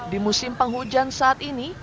di musim penghujan saat ini